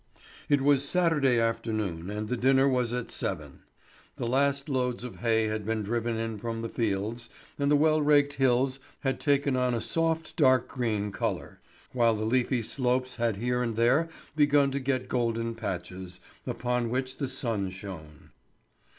It was Saturday afternoon, and the dinner was at seven. The last loads of hay had been driven in from the fields, and the well raked hills had taken on a soft, dark green colour; while the leafy slopes had here and there begun to get golden patches, upon which the sun shone.